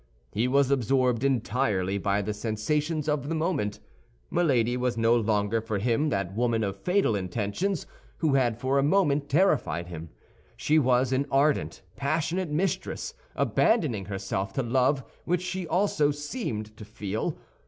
He was absorbed entirely by the sensations of the moment. Milady was no longer for him that woman of fatal intentions who had for a moment terrified him; she was an ardent, passionate mistress, abandoning herself to love which she also seemed to feel.